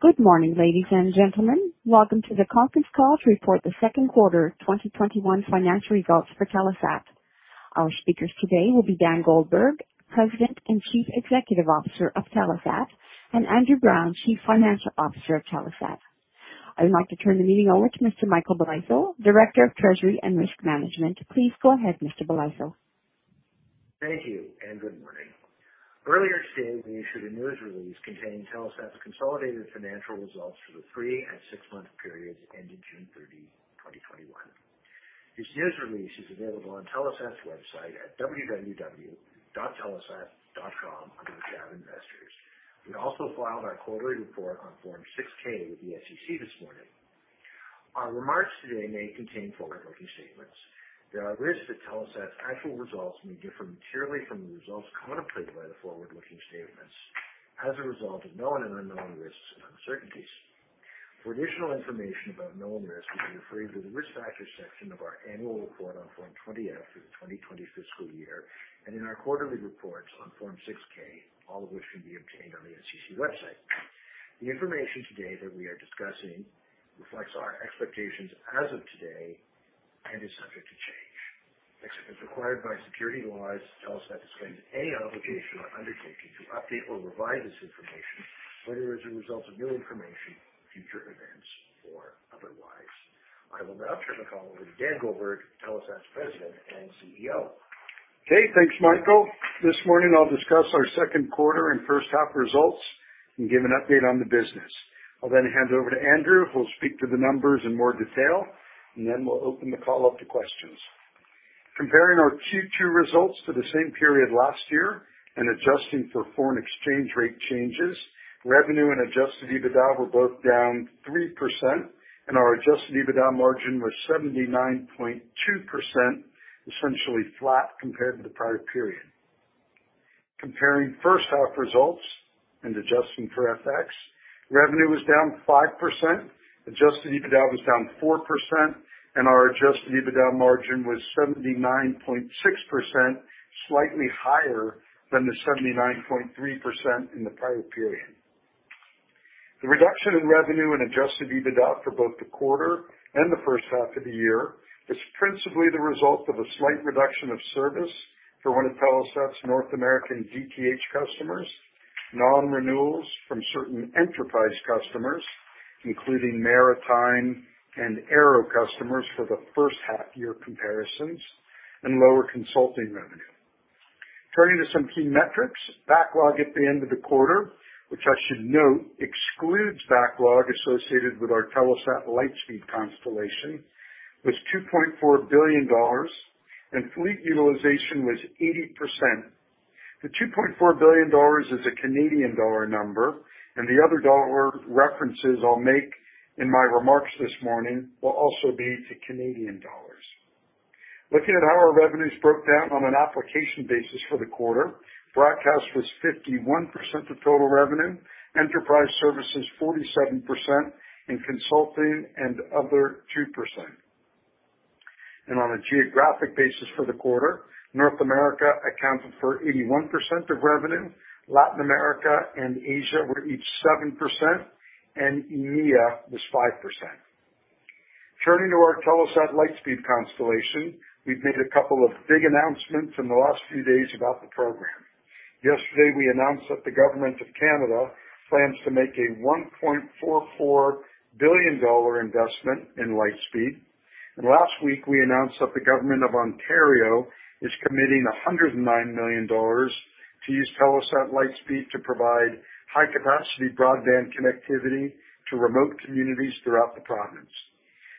,Good morning, ladies and gentlemen. Welcome to the conference call to report the second quarter 2021 financial results for Telesat. Our speakers today will be Dan Goldberg, President and Chief Executive Officer of Telesat, and Andrew Browne, Chief Financial Officer of Telesat. I would like to turn the meeting over to Mr. Michael Bolitho, Director of Treasury and Risk Management. Please go ahead, Mr. Bolitho. Thank you, and good morning. Earlier today, we issued a news release containing Telesat's consolidated financial results for the three and six-month periods ending June 30, 2021. This news release is available on Telesat's website at www.telesat.com under the tab Investors. We also filed our quarterly report on Form 6-K with the SEC this morning. Our remarks today may contain forward-looking statements. There are risks that Telesat's actual results may differ materially from the results contemplated by the forward-looking statements as a result of known and unknown risks and uncertainties. For additional information about known risks, we refer you to the Risk Factors section of our annual report on Form 20-F for the 2020 fiscal year, and in our quarterly reports on Form 6-K, all of which can be obtained on the SEC website. The information today that we are discussing reflects our expectations as of today and is subject to change. Except as required by securities laws, Telesat disclaims any obligation or undertaking to update or revise this information, whether as a result of new information, future events, or otherwise. I will now turn the call over to Dan Goldberg, Telesat's President and CEO. Okay, thanks, Michael. This morning I'll discuss our second quarter and first half results and give an update on the business. I'll hand over to Andrew, who will speak to the numbers in more detail, we'll open the call up to questions. Comparing our Q2 results to the same period last year and adjusting for foreign exchange rate changes, revenue and Adjusted EBITDA were both down 3%, and our Adjusted EBITDA margin was 79.2%, essentially flat compared to the prior period. Comparing first half results and adjusting for FX, revenue was down 5%, Adjusted EBITDA was down 4%, and our Adjusted EBITDA margin was 79.6%, slightly higher than the 79.3% in the prior period. The reduction in revenue and Adjusted EBITDA for both the quarter and the first half of the year is principally the result of a slight reduction of service for one of Telesat's North American DTH customers, non-renewals from certain enterprise customers, including maritime and aero customers for the first half year comparisons, and lower consulting revenue. Turning to some key metrics, backlog at the end of the quarter, which I should note excludes backlog associated with our Telesat Lightspeed constellation, was 2.4 billion dollars, and fleet utilization was 80%. The 2.4 billion dollars is a Canadian dollar number, the other dollar references I'll make in my remarks this morning will also be to Canadian dollars. Looking at how our revenues broke down on an application basis for the quarter, broadcast was 51% of total revenue, enterprise services 47%, and consulting and other 2%. On a geographic basis for the quarter, North America accounted for 81% of revenue, Latin America and Asia were each 7%, and EMEA was 5%. Turning to our Telesat Lightspeed constellation, we've made a couple of big announcements from the last few days about the program. Yesterday, we announced that the Government of Canada plans to make a 1.44 billion dollar investment in Lightspeed, and last week, we announced that the Government of Ontario is committing 109 million dollars to use Telesat Lightspeed to provide high-capacity broadband connectivity to remote communities throughout the province.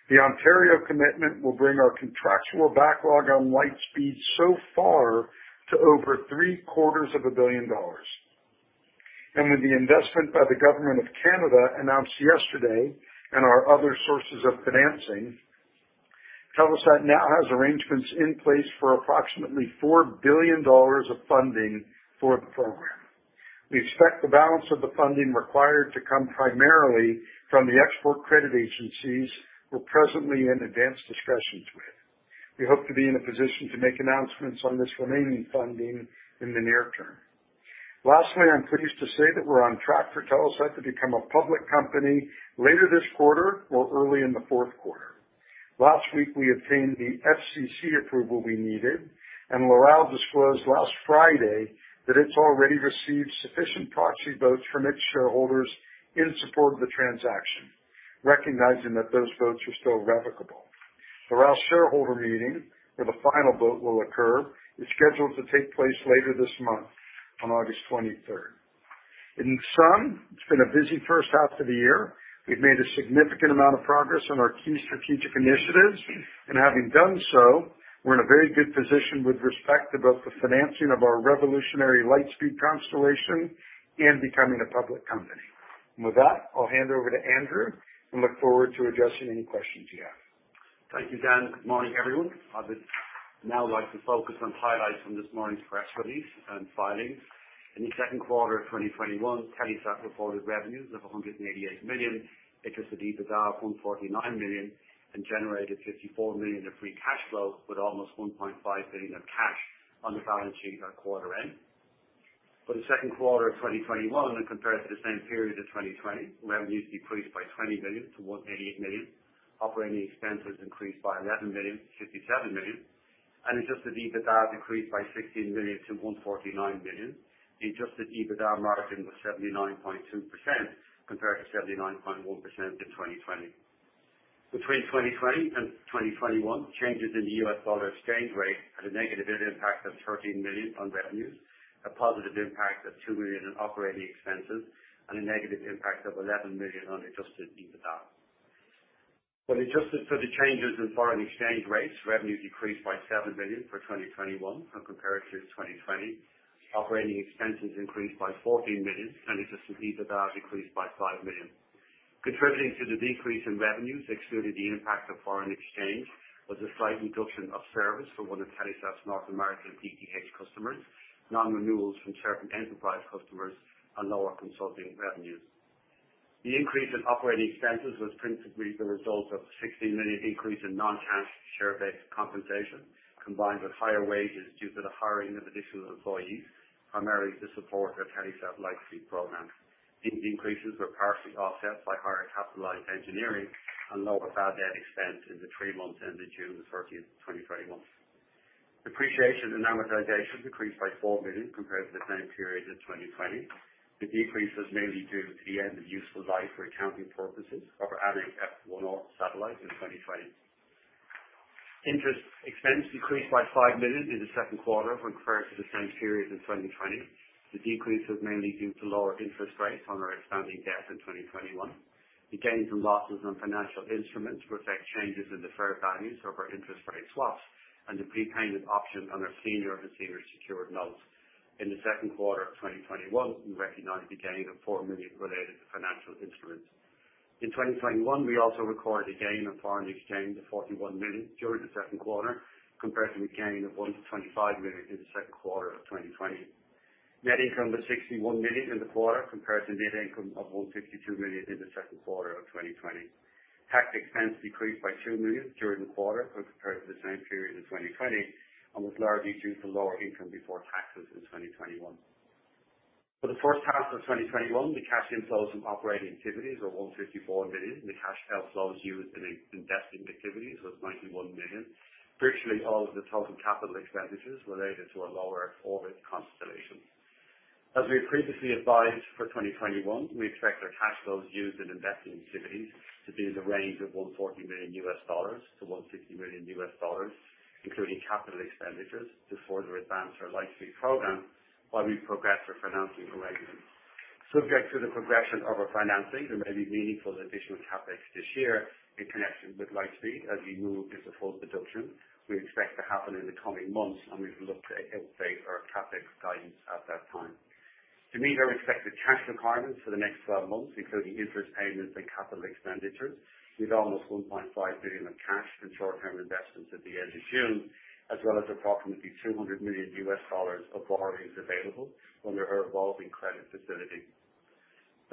The Ontario commitment will bring our contractual backlog on Lightspeed so far to over 750 million dollars. With the investment by the Government of Canada announced yesterday and our other sources of financing, Telesat now has arrangements in place for approximately 4 billion dollars of funding for the program. We expect the balance of the funding required to come primarily from the export credit agencies we're presently in advanced discussions with. We hope to be in a position to make announcements on this remaining funding in the near term. Lastly, I'm pleased to say that we're on track for Telesat to become a public company later this quarter or early in the fourth quarter. Last week, we obtained the FCC approval we needed, and Loral disclosed last Friday that it's already received sufficient proxy votes from its shareholders in support of the transaction, recognizing that those votes are still revocable. Loral shareholder meeting, where the final vote will occur, is scheduled to take place later this month on August 23rd. In sum, it's been a busy first half of the year. We've made a significant amount of progress on our key strategic initiatives. Having done so, we're in a very good position with respect to both the financing of our revolutionary Lightspeed constellation and becoming a public company. With that, I'll hand over to Andrew and look forward to addressing any questions you have. Thank you, Dan. Good morning, everyone. I would now like to focus on highlights from this morning's press release and filings. In the second quarter of 2021, Telesat reported revenues of 188 million, Adjusted EBITDA of 149 million, and generated 54 million of free cash flow with almost 1.5 billion of cash on the balance sheet at quarter end. For the second quarter of 2021, when compared to the same period of 2020, revenues decreased by 20 million-188 million. Operating expenses increased by 11 million-57 million, and Adjusted EBITDA decreased by 16 million-149 million. Adjusted EBITDA margin was 79.2%, compared to 79.1% in 2020. Between 2020 and 2021, changes in the U.S. dollar exchange rate had a negative impact of 13 million on revenues, a positive impact of 2 million in operating expenses, and a negative impact of 11 million on Adjusted EBITDA. When adjusted for the changes in foreign exchange rates, revenues decreased by 7 million for 2021 when compared to 2020. Operating expenses increased by 14 million, and Adjusted EBITDA decreased by 5 million. Contributing to the decrease in revenues, excluding the impact of foreign exchange, was a slight reduction of service from one of Telesat's North American DTH customers, non-renewals from certain enterprise customers, and lower consulting revenues. The increase in operating expenses was principally the result of a 16 million increase in non-cash share-based compensation, combined with higher wages due to the hiring of additional employees, primarily to support the Telesat Lightspeed program. These increases were partially offset by higher capitalized engineering and lower bad debt expense in the three months ending June 30, 2021. Depreciation and amortization decreased by 4 million compared to the same period in 2020. The decrease is mainly due to the end of useful life for accounting purposes of our Anik F1 satellite in 2020. Interest expense decreased by 5 million in the second quarter when compared to the same period in 2020. The decrease was mainly due to lower interest rates on our expanding debt in 2021. The gains and losses on financial instruments reflect changes in the fair values of our interest rate swaps and the prepayment option on our senior and senior secured notes. In the second quarter of 2021, we recognized a gain of 4 million related to financial instruments. In 2021, we also recorded a gain on foreign exchange of 41 million during the second quarter, compared to a gain of 125 million in the second quarter of 2020. Net income was 61 million in the quarter compared to net income of 152 million in the second quarter of 2020. Tax expense decreased by 2 million during the quarter when compared to the same period in 2020 and was largely due to lower income before taxes in 2021. For the first half of 2021, the cash inflows from operating activities were 154 million, and the cash outflows used in investing activities was 91 million. Virtually all of the total capital expenditures related to a Low Earth Orbit constellation. As we have previously advised for 2021, we expect our cash flows used in investing activities to be in the range of $140 million-$150 million, including capital expenditures, to further advance our Lightspeed program while we progress our financing arrangements. Subject to the progression of our financing, there may be meaningful additional CapEx this year in connection with Lightspeed as we move into full production. We expect to happen in the coming months, and we will look to update our CapEx guidance at that time. To meet our expected cash requirements for the next 12 months, including interest payments and capital expenditures, we have almost 1.5 billion in cash and short-term investments at the end of June, as well as approximately $200 million USD of borrowings available under our revolving credit facility.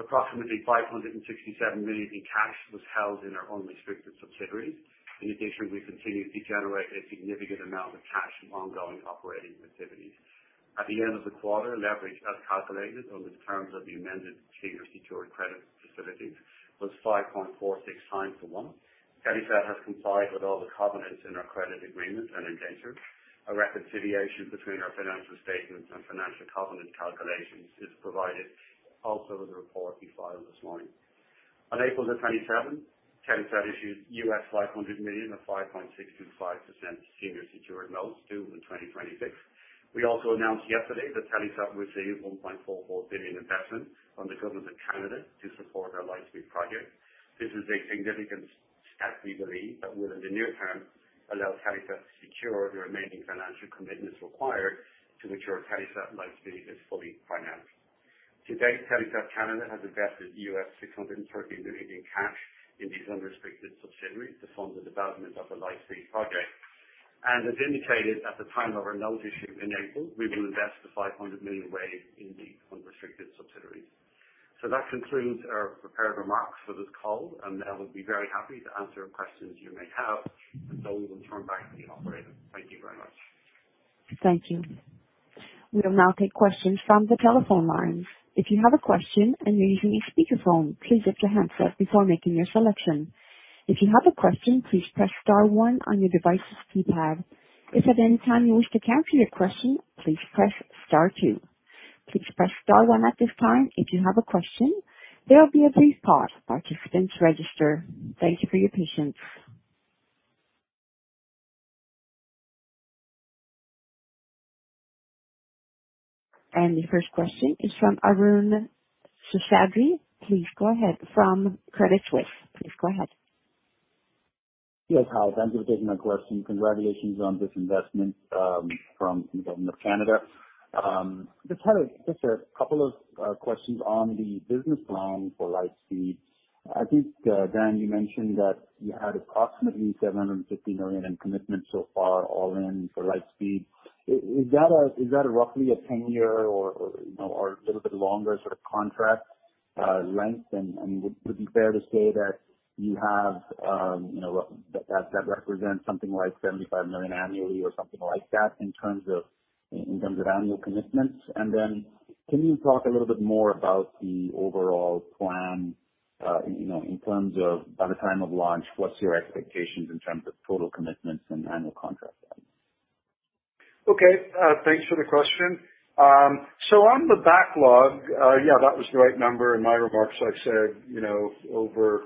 Approximately 567 million in cash was held in our unrestricted subsidiaries. In addition, we continue to generate a significant amount of cash from ongoing operating activities. At the end of the quarter, leverage as calculated under the terms of the amended senior secured credit facility was 5.46x-1. Telesat has complied with all the covenants in our credit agreement and indentures. A reconciliation between our financial statements and financial covenant calculations is provided also in the report we filed this morning. On April the 27th, Telesat issued $500 million of 5.625% senior secured notes due in 2026. We also announced yesterday that Telesat received a 1.44 billion investment from the government of Canada to support our Lightspeed project. This is a significant step, we believe, that will in the near term allow Telesat to secure the remaining financial commitments required to ensure Telesat Lightspeed is fully financed. To date, Telesat Canada has invested $630 million in cash into unrestricted subsidiaries to fund the development of the Lightspeed project. As indicated at the time of our note issue in April, we will invest the $500 million raised in the unrestricted subsidiaries. That concludes our prepared remarks for this call, and I would be very happy to answer questions you may have. Now we will turn back to the operator. Thank you very much. Thank you. We will now take questions from the telephone line. If you have a question, you may use your speaker phone please release your handset before making your selection. If you have a question please press star one on your devices keypad. If anytime you wish to cancel your question please press star two. Please press star one at this time if you have a question. Then register. Thanks for your patience. The first question is from Arun Seshadri. Please go ahead. From Credit Suisse. Please go ahead. Yes, hi. Thank you for taking my question. Congratulations on this investment from the Government of Canada. Just had just a couple of questions on the business plan for Lightspeed. I think, Dan, you mentioned that you had approximately 750 million in commitments so far, all in for Lightspeed. Is that roughly a 10-year or a little bit longer sort of contract length? Then can you talk a little bit more about the overall plan, in terms of by the time of launch, what's your expectations in terms of total commitments and annual contract value? Okay. Thanks for the question. On the backlog, yeah, that was the right number. In my remarks I said over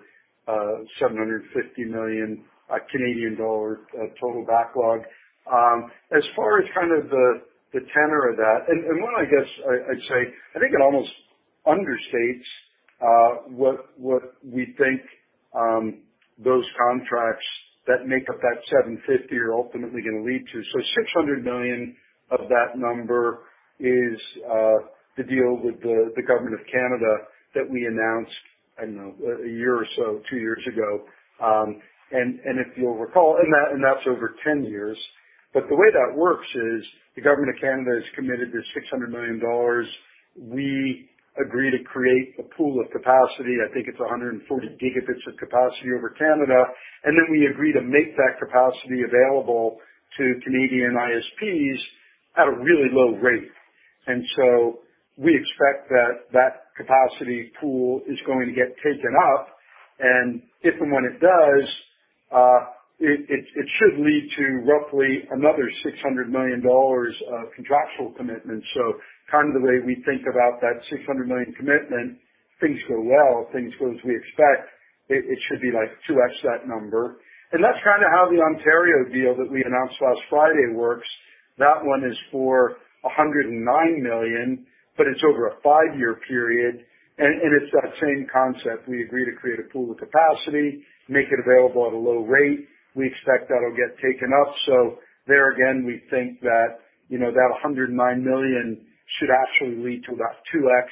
750 million Canadian dollars total backlog. As far as the tenor of that, and one, I guess I'd say, I think it almost understates what we think those contracts that make up that 750 are ultimately going to lead to. 600 million of that number is the deal with the Government of Canada that we announced, I don't know, one year or so, two years ago. If you'll recall, and that's over 10 years. The way that works is the Government of Canada has committed this 600 million dollars. We agree to create a pool of capacity. I think it's 140 Gb of capacity over Canada. We agree to make that capacity available to Canadian ISPs at a really low rate. We expect that, that capacity pool is going to get taken up, and if and when it does, it should lead to roughly another 600 million dollars of contractual commitments. The way we think about that 600 million commitment, things go well, things go as we expect, it should be 2X that number. That's how the Ontario deal that we announced last Friday works. That one is for 109 million, but it's over a five-year period, and it's that same concept. We agree to create a pool of capacity, make it available at a low rate. We expect that it'll get taken up. There again, we think that 109 million should actually lead to about 2X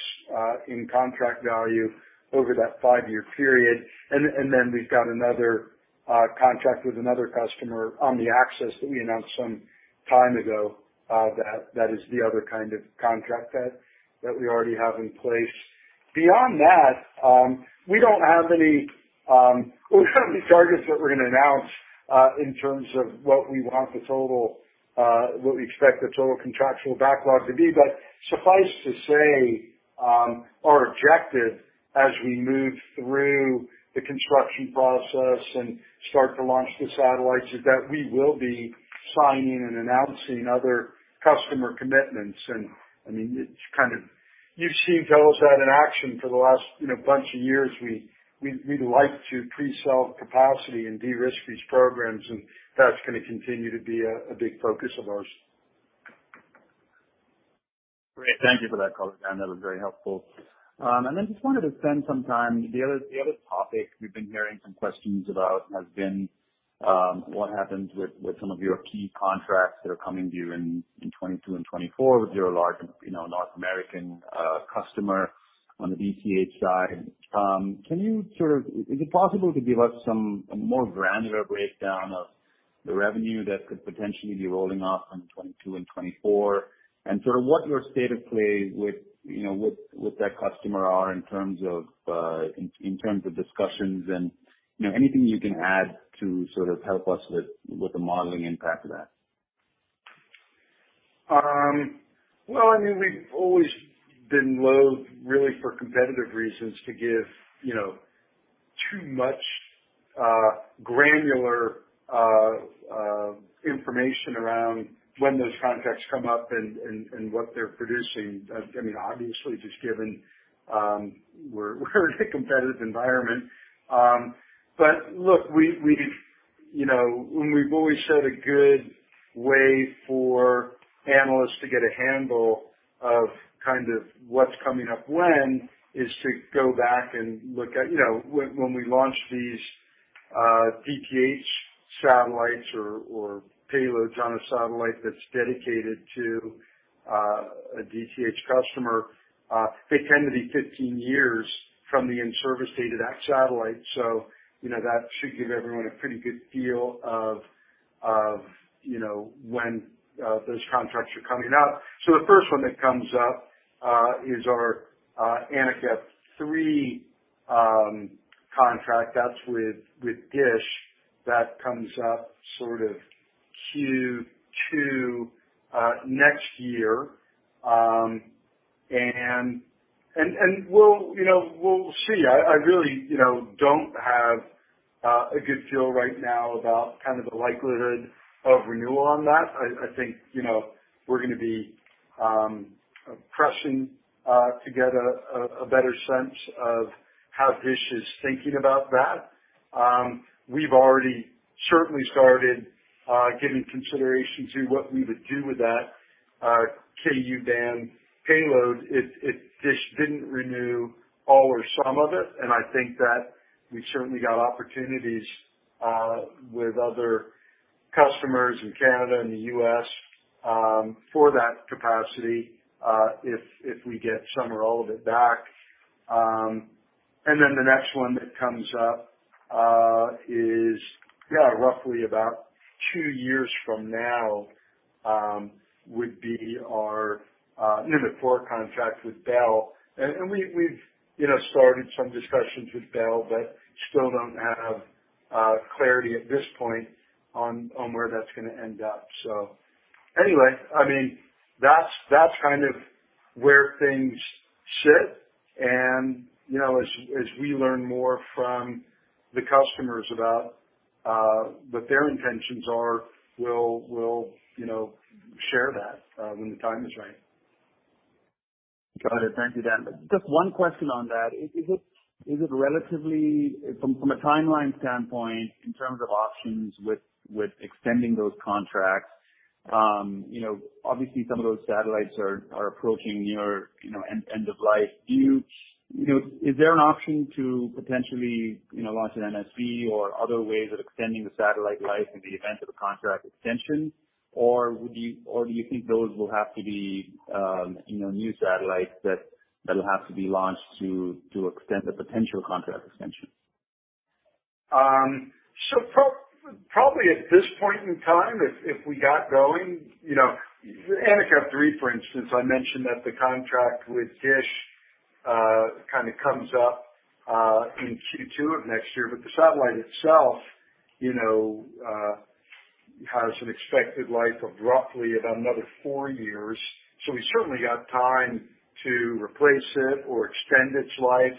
in contract value over that five-year period. Then we've got another contract with another customer on the access that we announced some time ago. That is the other kind of contract that we already have in place. Beyond that, we don't have any targets that we're going to announce, in terms of what we expect the total contractual backlog to be. Suffice to say, our objective as we move through the construction process and start to launch the satellites, is that we will be signing and announcing other customer commitments. You've seen Telesat in action for the last bunch of years. We like to pre-sell capacity and de-risk these programs, and that's going to continue to be a big focus of ours. Great. Thank you for that color, Dan. That was very helpful. Just wanted to spend some time, the other topic we've been hearing some questions about has been what happens with some of your key contracts that are coming due in 2024 with your large North American customer on the DTH side. Is it possible to give us a more granular breakdown of the revenue that could potentially be rolling off in 2022 and 2024? What your state of play with that customer are in terms of discussions, and anything you can add to help us with the modeling impact of that? We've always been loathe, really for competitive reasons, to give too much granular information around when those contracts come up and what they're producing. Obviously, just given that we're in a competitive environment. When we've always said a good way for analysts to get a handle of what's coming up when is to go back and look at when we launch these DTH satellites or payloads on a satellite that's dedicated to a DTH customer. They tend to be 15 years from the in-service date of that satellite, so that should give everyone a pretty good feel of when those contracts are coming up. The first one that comes up is our Anik F3 contract. That's with DISH. That comes up Q2 next year. We'll see. I really don't have a good feel right now about the likelihood of renewal on that. I think we're going to be pressing to get a better sense of how DISH is thinking about that. We've already certainly started giving consideration to what we would do with that Ku-band payload if DISH didn't renew all or some of it, and I think that we certainly got opportunities with other customers in Canada and the U.S. for that capacity, if we get some or all of it back. The next one that comes up is roughly about two years from now, would be our Anik F4 contract with Bell. We've started some discussions with Bell, but still don't have clarity at this point on where that's going to end up. That's where things sit. As we learn more from the customers about what their intentions are, we'll share that when the time is right. Got it. Thank you, Dan. Just one question on that. Relatively, from a timeline standpoint, in terms of options with extending those contracts, obviously some of those satellites are approaching near end of life. Is there an option to potentially launch an MEV or other ways of extending the satellite life in the event of a contract extension? Do you think those will have to be new satellites that'll have to be launched to extend the potential contract extensions? Probably at this point in time, if we got going, Anik F3, for instance, I mentioned that the contract with DISH comes up in Q2 of next year, but the satellite itself has an expected life of roughly about another four years. We've certainly got time to replace it or extend its life.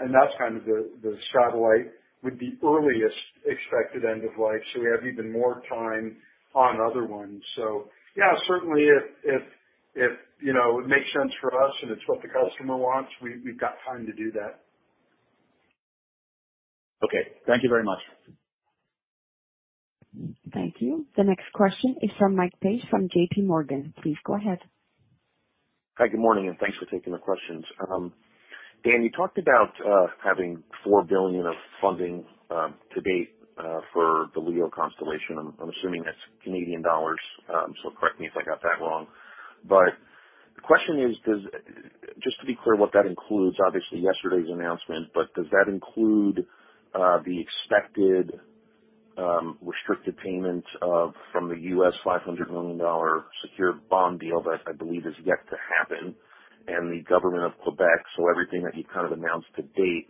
That's the satellite with the earliest expected end of life. We have even more time on other ones. Yeah, certainly if it makes sense for us and it's what the customer wants, we've got time to do that. Okay. Thank you very much. Thank you. The next question is from Mike Pace from JPMorgan. Please go ahead. Hi, good morning, and thanks for taking the questions. Dan, you talked about having 4 billion of funding to date for the LEO constellation. I'm assuming that's Canadian dollars, so correct me if I got that wrong. The question is, just to be clear what that includes, obviously yesterday's announcement, but does that include the expected restricted payment from the U.S. $500 million secured bond deal that I believe is yet to happen, and the Government of Quebec, everything that you've announced to date.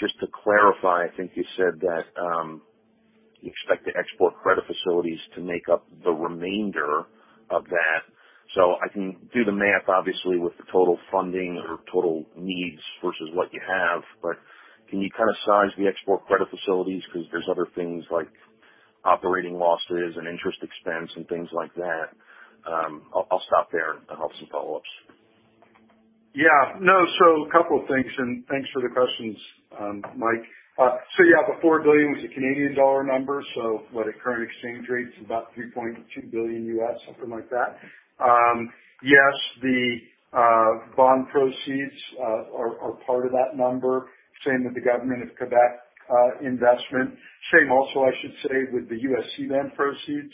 Just to clarify, I think you said that you expect the export credit facilities to make up the remainder of that. I can do the math obviously with the total funding or total needs versus what you have. Can you size the export credit facilities because there's other things like operating losses and interest expense and things like that? I'll stop there. I'll have some follow-ups. A couple of things, and thanks for the questions, Mike. The 4 billion was a Canadian dollar number, at current exchange rate, it's about $3.2 billion, something like that. Yes, the bond proceeds are part of that number. Same with the government of Quebec investment. Same also, I should say, with the U.S. C-band proceeds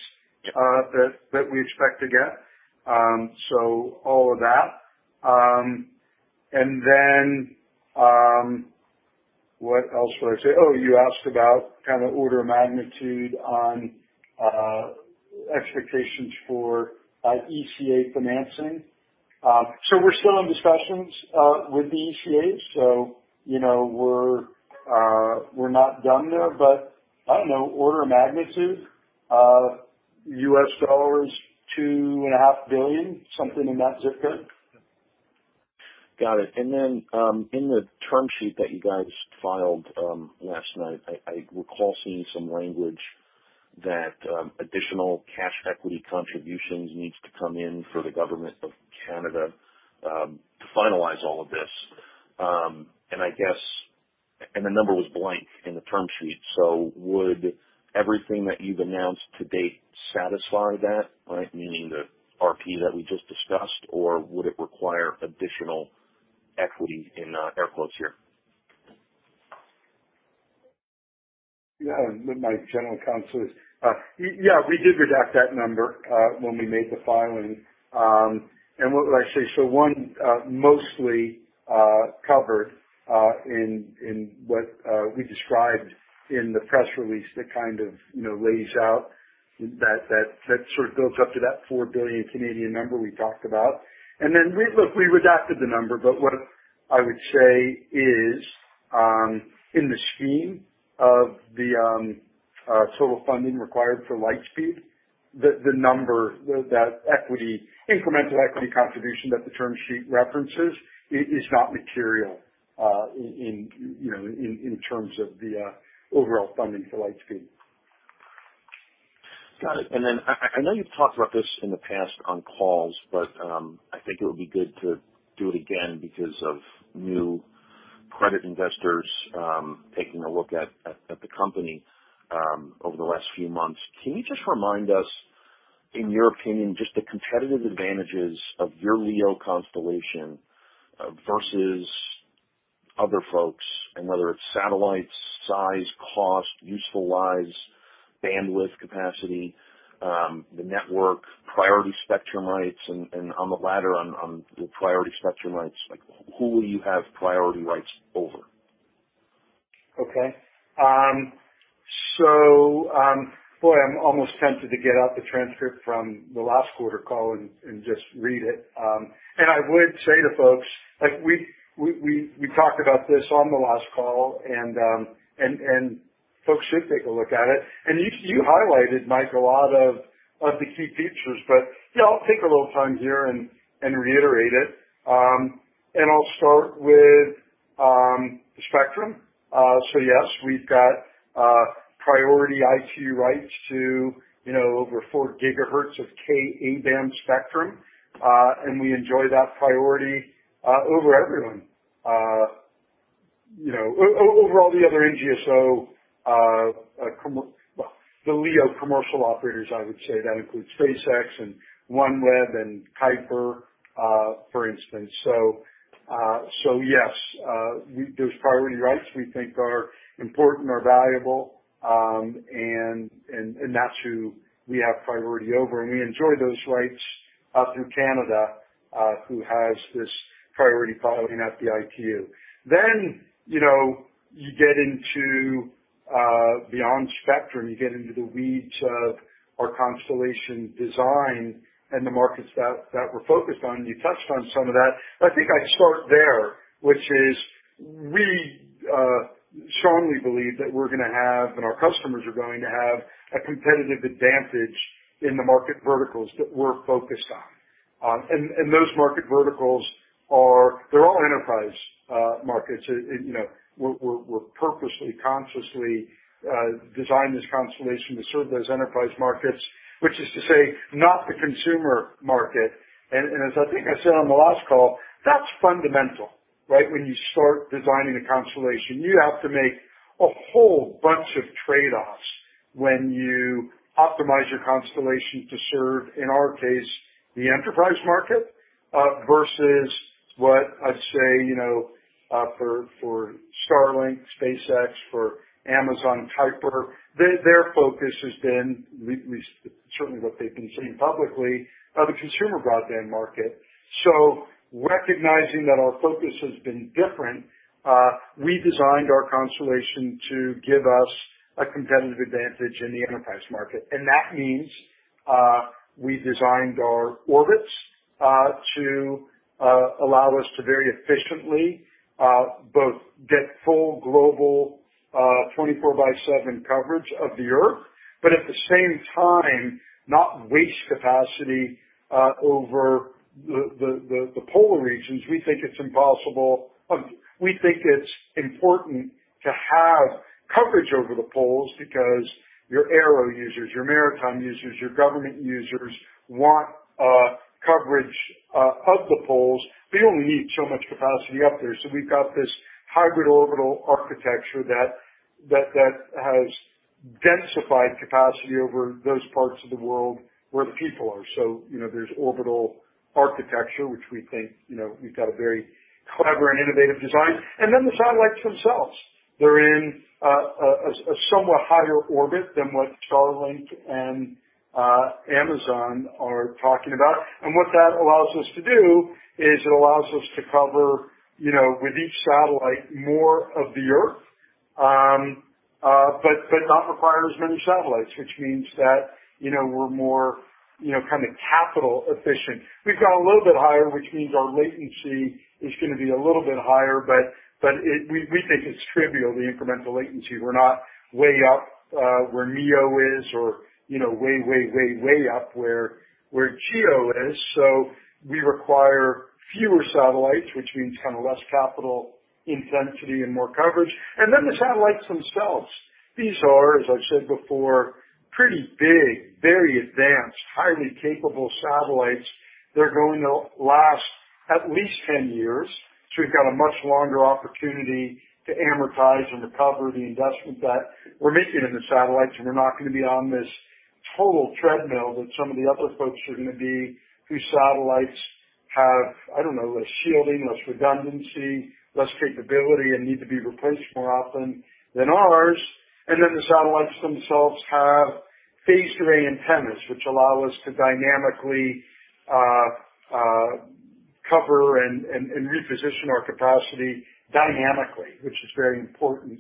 that we expect to get. All of that. What else would I say? Oh, you asked about order of magnitude on expectations for ECA financing. We're still in discussions with the ECA, so we're not done there. I don't know, order of magnitude, $2.5 billion, something in that ZIP code. Got it. In the term sheet that you guys filed last night, I recall seeing some language that additional cash equity contributions needs to come in for the Government of Canada to finalize all of this. The number was blank in the term sheet. Would everything that you've announced to date satisfy that, right? Meaning the RP that we just discussed, or would it require additional equity, in air quotes here? My general counsel, we did redact that number when we made the filing. What would I say? One, mostly covered in what we described in the press release that lays out, that sort of builds up to that 4 billion Canadian number we talked about. Look, we redacted the number, but what I would say is, in the scheme of the total funding required for Lightspeed, the number, that incremental equity contribution that the term sheet references, is not material in terms of the overall funding for Lightspeed. Got it. I know you've talked about this in the past on calls, but I think it would be good to do it again because of new credit investors taking a look at the company over the last few months. Can you just remind us, in your opinion, just the competitive advantages of your LEO constellation versus other folks, and whether it's satellites, size, cost, useful lives, bandwidth capacity, the network, priority spectrum rights, and on the latter, on the priority spectrum rights, who will you have priority rights over? Okay. Boy, I'm almost tempted to get out the transcript from the last quarter call and just read it. I would say to folks, we talked about this on the last call, and folks should take a look at it. You highlighted, Mike a lot of the key features, but I'll take a little time here and reiterate it. I'll start with the spectrum. Yes, we've got priority ITU rights to over 4 GHz of Ka-band spectrum, and we enjoy that priority over everyone. Over all the other NGSO, the LEO commercial operators, I would say. That includes SpaceX and OneWeb and Kuiper, for instance. Yes, those priority rights we think are important or valuable, and that's who we have priority over, and we enjoy those rights through Canada, who has this priority filing at the ITU. You get into beyond spectrum. You get into the weeds of our constellation design and the markets that we're focused on. You touched on some of that, but I think I'd start there, which is, we strongly believe that we're going to have, and our customers are going to have, a competitive advantage in the market verticals that we're focused on. Those market verticals, they're all enterprise markets. We've purposely, consciously designed this constellation to serve those enterprise markets, which is to say, not the consumer market. As I think I said on the last call, that's fundamental. When you start designing a constellation, you have to make a whole bunch of trade-offs when you optimize your constellation to serve, in our case, the enterprise market, versus what I'd say for Starlink, SpaceX, for Amazon Kuiper. Their focus has been, certainly what they've been saying publicly, the consumer broadband market. Recognizing that our focus has been different, we designed our constellation to give us a competitive advantage in the enterprise market. That means we designed our orbits to allow us to very efficiently both get full global 24 by seven coverage of the Earth, but at the same time, not waste capacity over the polar regions. We think it's important to have coverage over the poles because your aero users, your maritime users, your government users want coverage of the poles. They only need so much capacity up there. We've got this hybrid orbital architecture that has densified capacity over those parts of the world where the people are. There's orbital architecture, which we think we've got a very clever and innovative design. Then the satellites themselves. They're in a somewhat higher orbit than what Starlink and Amazon are talking about. What that allows us to do is it allows us to cover, with each satellite, more of the Earth, but not require as many satellites, which means that we're more capital efficient. We've gone a little bit higher, which means our latency is going to be a little bit higher, but we think it's trivial, the incremental latency. We're not way up where MEO is or way up where GEO is. We require fewer satellites, which means less capital intensity and more coverage. The satellites themselves. These are, as I've said before, pretty big, very advanced, highly capable satellites. They're going to last at least 10 years. We've got a much longer opportunity to amortize and recover the investment that we're making in the satellites, and we're not going to be on this total treadmill that some of the other folks are going to be, whose satellites have, I don't know, less shielding, less redundancy, less capability, and need to be replaced more often than ours. The satellites themselves have phased array antennas, which allow us to dynamically cover and reposition our capacity dynamically, which is very important.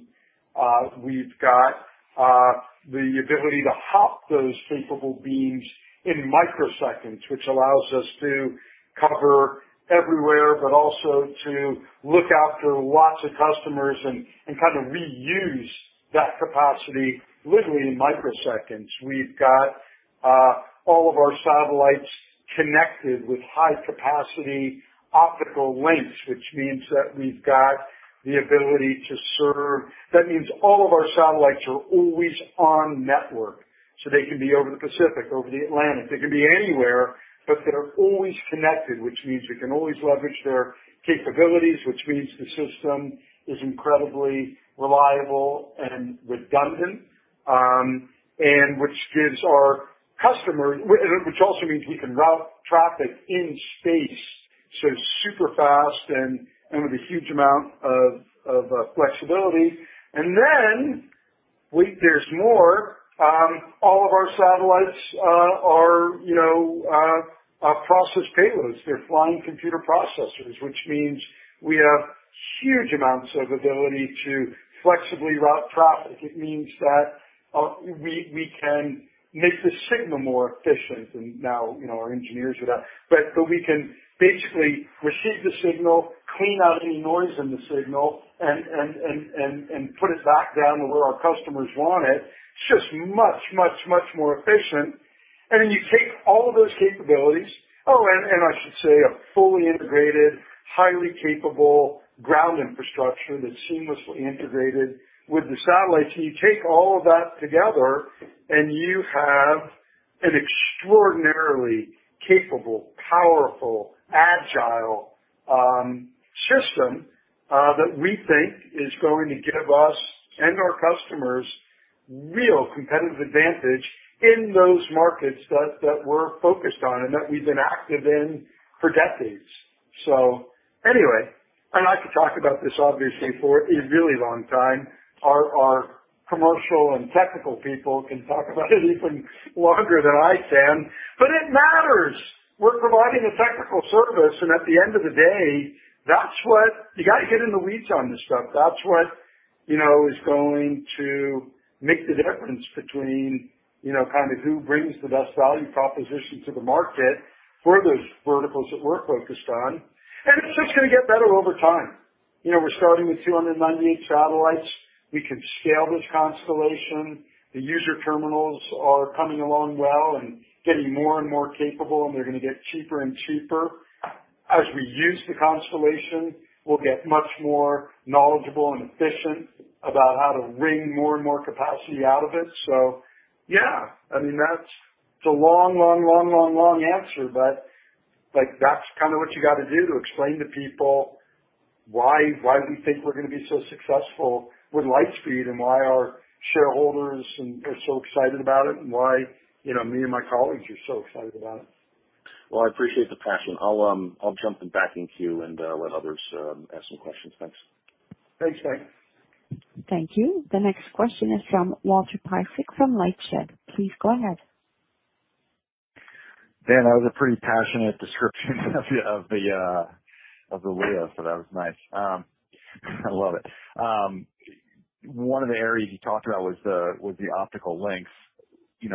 We've got the ability to hop those capable beams in microseconds, which allows us to cover everywhere, but also to look after lots of customers and kind of reuse that capacity literally in microseconds. We've got all of our satellites connected with high capacity optical links, which means that we've got the ability to serve. That means all of our satellites are always on network. They can be over the Pacific, over the Atlantic. They can be anywhere, but they're always connected, which means we can always leverage their capabilities, which means the system is incredibly reliable and redundant. Which gives our customer, which also means we can route traffic in space, so super fast and with a huge amount of flexibility. Wait, there's more. All of our satellites are process payloads. They're flying computer processors, which means we have huge amounts of ability to flexibly route traffic. It means that we can make the signal more efficient, and now our engineers are that. We can basically receive the signal, clean out any noise in the signal, and put it back down to where our customers want it. It's just much much more efficient. You take all of those capabilities, and I should say, a fully integrated, highly capable ground infrastructure that's seamlessly integrated with the satellites, and you take all of that together, and you have an extraordinarily capable, powerful, agile system that we think is going to give us and our customers real competitive advantage in those markets that we're focused on and that we've been active in for decades. Anyway, I'd like to talk about this, obviously, for a really long time. Our commercial and technical people can talk about it even longer than I can, but it matters. We're providing a technical service, and at the end of the day, you got to get in the weeds on this stuff. That's what is going to make the difference between who brings the best value proposition to the market for those verticals that we're focused on. It's just going to get better over time. We're starting with 298 satellites. We can scale this constellation. The user terminals are coming along well and getting more and more capable, and they're going to get cheaper and cheaper. As we use the constellation, we'll get much more knowledgeable and efficient about how to wring more and more capacity out of it. Yeah. That's a long long long answer, but that's kind of what you got to do to explain to people why we think we're going to be so successful with Lightspeed, and why our shareholders are so excited about it, and why me and my colleagues are so excited about it. Well, I appreciate the passion. I'll jump back in queue and let others ask some questions. Thanks. Thanks, Mike. Thank you. The next question is from Walter Piecyk from LightShed. Please go ahead. Dan, that was a pretty passionate description of the LEO. That was nice. I love it. One of the areas you talked about was the optical links. You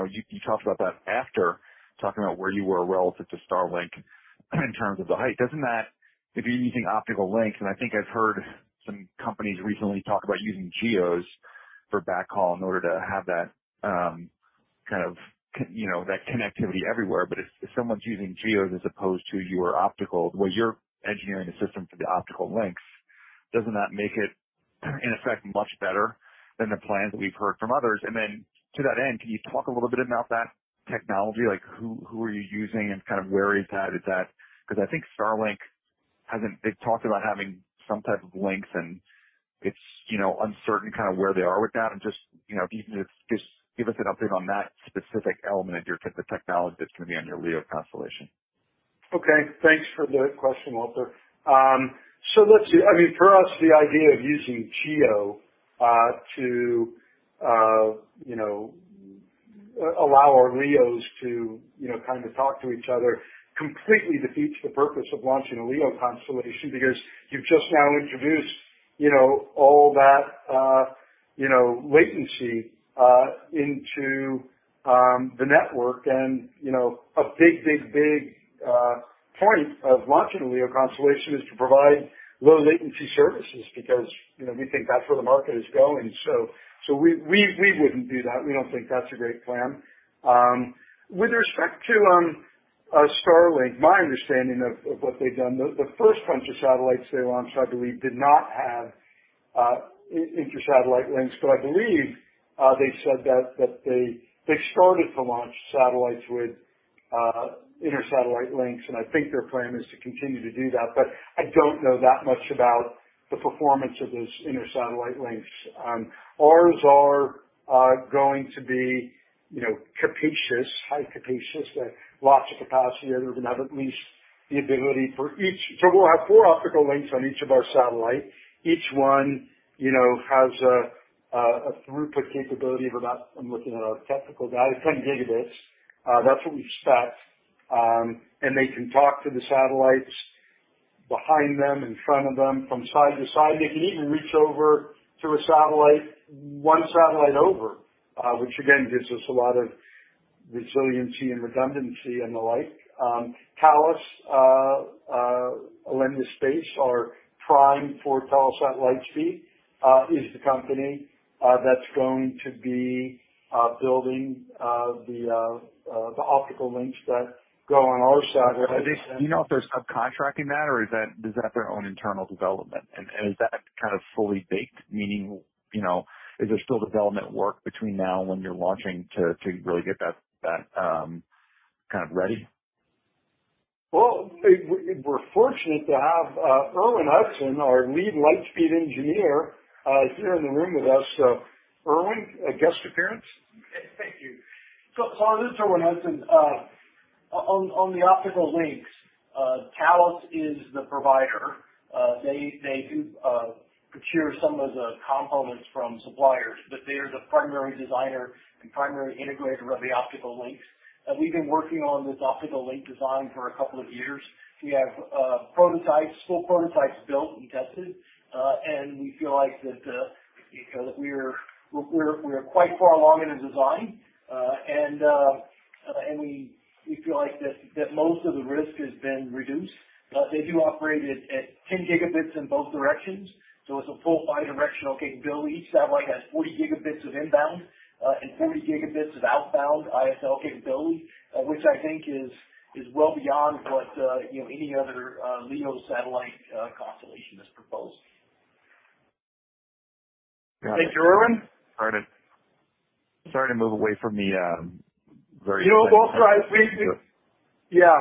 talked about that after talking about where you were relative to Starlink in terms of the height. Doesn't that, if you're using optical links, I think I've heard some companies recently talk about using GEOs for backhaul in order to have that connectivity everywhere. If someone's using GEOs as opposed to your optical, where you're engineering a system for the optical links, doesn't that make it, in effect, much better than the plans that we've heard from others? To that end, can you talk a little bit about that technology? Who are you using, and where is that at? I think Starlink, they've talked about having some type of links, and it's uncertain where they are with that. Can you just give us an update on that specific element of your type of technology that's going to be on your LEO constellation? Okay. Thanks for the question, Walter. Let's see. For us, the idea of using GEO to allow our LEOs to talk to each other completely defeats the purpose of launching a LEO constellation because you've just now introduced all that latency into the network. A big, big, big point of launching a LEO constellation is to provide low-latency services because we think that's where the market is going. We wouldn't do that. We don't think that's a great plan. With respect to Starlink, my understanding of what they've done, the first bunch of satellites they launched, I believe, did not have inter-satellite links. I believe they said that they started to launch satellites with inter-satellite links, and I think their plan is to continue to do that. I don't know that much about the performance of those inter-satellite links. Ours are going to be capacious, highly capacious, lots of capacity. We're going to have at least the ability. So we'll have four optical links on each of our satellites. Each one has a throughput capability of about, I'm looking at our technical data, 10 Gbs. That's what we've spec'd. They can talk to the satellites behind them, in front of them, from side to side. They can even reach over to a satellite one satellite over, which again, gives us a lot of resiliency and redundancy and the like. Thales Alenia Space, our prime for Telesat Lightspeed, is the company that's going to be building the optical links that go on our satellites. Do you know if they're subcontracting that, or is that their own internal development? Is that kind of fully baked? Meaning, is there still development work between now and when you're launching to really get that kind of ready? We're fortunate to have Erwin Hudson, our lead Lightspeed engineer, here in the room with us. Erwin, a guest appearance? Thank you. This is Erwin Hudson. On the optical links, Thales is the provider. They do procure some of the components from suppliers, but they are the primary designer and primary integrator of the optical links. We've been working on this optical link design for a couple of years. We have full prototypes built and tested, we feel like that we're quite far along in the design. We feel like that most of the risk has been reduced. They do operate at 10 Gbs in both directions, so it's a full bi-directional capability. Each satellite has 40 Gbs of inbound, and 40 Gbs of outbound ISL capability, which I think is well beyond what any other LEO satellite constellation has proposed. Thank you, Erwin. Sorry to move away from the- No, we'll try. Yeah.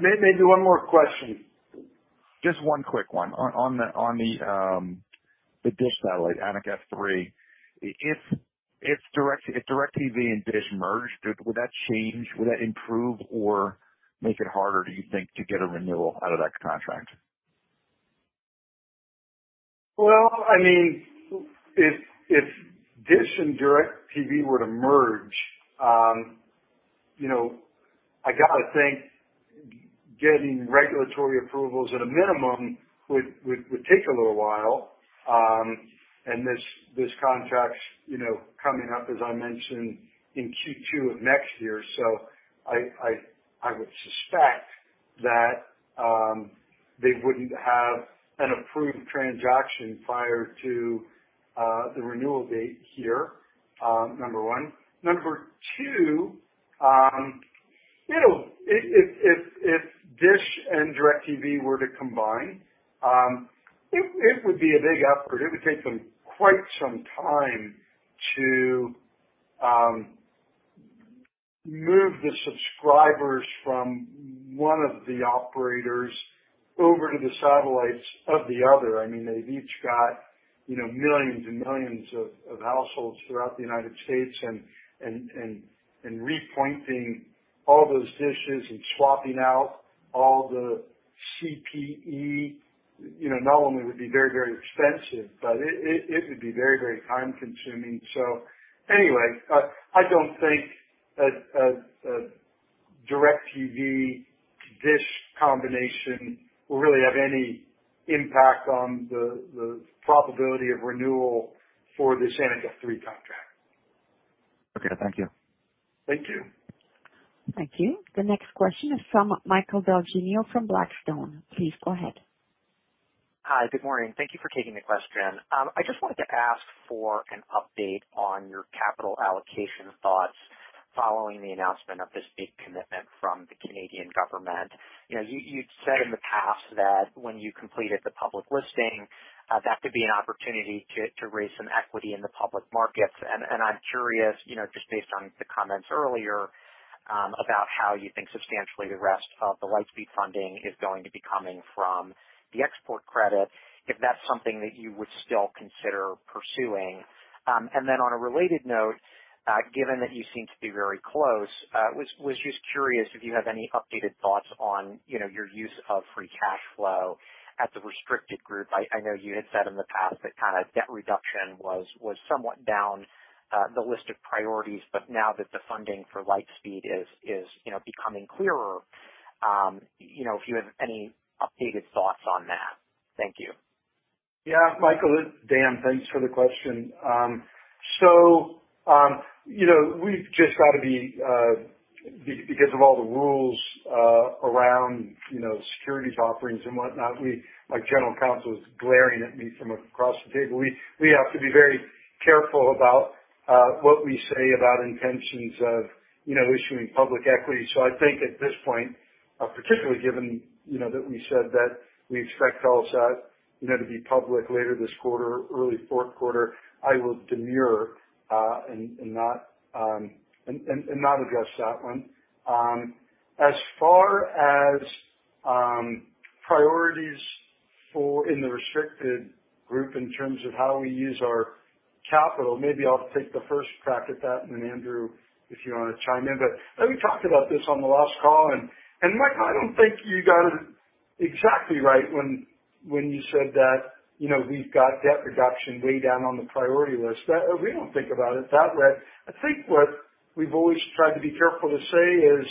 Maybe one more question. Just one quick one. On the DISH satellite, Anik F3, if DIRECTV and DISH merge, would that change, would that improve or make it harder, do you think, to get a renewal out of that contract? Well, if DISH and DIRECTV were to merge, I got to think getting regulatory approvals at a minimum would take a little while. This contract's coming up, as I mentioned, in Q2 of next year. I would suspect that they wouldn't have an approved transaction prior to the renewal date here, number one. Number two, if DISH and DIRECTV were to combine, it would be a big effort. It would take them quite some time to move the subscribers from one of the operators over to the satellites of the other. They've each got millions and millions of households throughout the United States, and repointing all those dishes and swapping out all the CPE, not only would be very, very expensive, but it would be very, very time-consuming. I don't think a DIRECTV-DISH combination will really have any impact on the probability of renewal for this Anik F3 contract. Okay. Thank you. Thank you. Thank you. The next question is from Michael Del Genio from Blackstone. Please go ahead. Hi. Good morning. Thank you for taking the question. I just wanted to ask for an update on your capital allocation thoughts following the announcement of this big commitment from the Canadian government. You'd said in the past that when you completed the public listing, that could be an opportunity to raise some equity in the public markets. I'm curious, just based on the comments earlier, about how you think substantially the rest of the Lightspeed funding is going to be coming from the export credit, if that's something that you would still consider pursuing. On a related note, given that you seem to be very close, was just curious if you have any updated thoughts on your use of free cash flow at the restricted group. I know you had said in the past that debt reduction was somewhat down the list of priorities, but now that the funding for Lightspeed is becoming clearer, if you have any updated thoughts on that? Thank you. Yeah. Michael, it's Dan. Thanks for the question. We've just got to be, because of all the rules around securities offerings and whatnot, my general counsel is glaring at me from across the table. We have to be very careful about what we say about intentions of issuing public equity. I think at this point, particularly given that we said that we expect Telesat to be public later this quarter, early fourth quarter, I will demure, and not address that one. As far as priorities in the restricted group in terms of how we use our capital, maybe I'll take the first crack at that, and then Andrew, if you want to chime in. We talked about this on the last call, and Michael, I don't think you got it exactly right when you said that we've got debt reduction way down on the priority list. We don't think about it that way. I think what we've always tried to be careful to say is,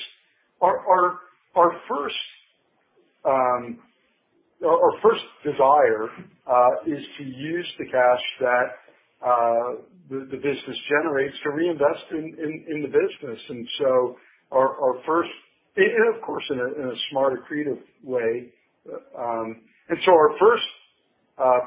our first desire is to use the cash that the business generates to reinvest in the business. Of course, in a smart, creative way. Our first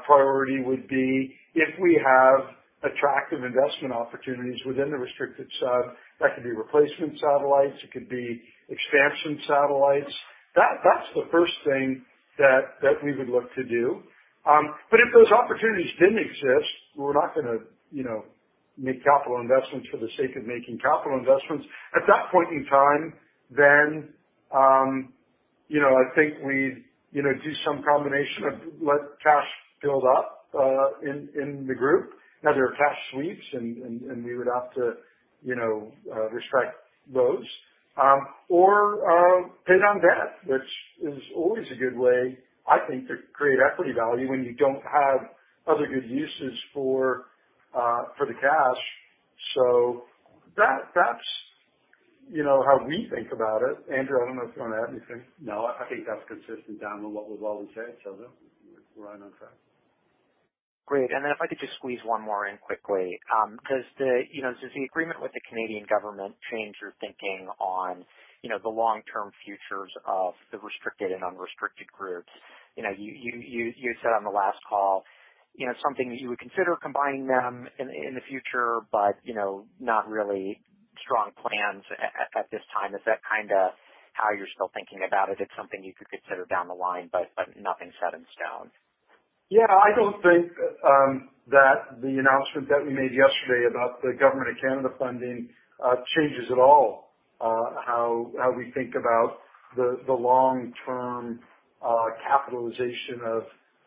priority would be if we have attractive investment opportunities within the restricted sub. That could be replacement satellites, it could be expansion satellites. That's the first thing that we would look to do. If those opportunities didn't exist, we're not going to make capital investments for the sake of making capital investments. At that point in time, I think we do some combination of let cash build up in the group. There are cash sweeps and we would have to restrict those. Pay down debt, which is always a good way, I think, to create equity value when you don't have other good uses for the cash. That's how we think about it. Andrew, I don't know if you want to add anything. No, I think that's consistent, Dan, with what we've always said, so no. Right on track. Great. If I could just squeeze one more in quickly. Does the agreement with the Canadian government change your thinking on the long-term futures of the restricted and unrestricted groups? You said on the last call, something that you would consider combining them in the future, but not really strong plans at this time. Is that how you're still thinking about it? It's something you could consider down the line, but nothing set in stone. Yeah. I don't think that the announcement that we made yesterday about the Government of Canada funding changes at all how we think about the long-term capitalization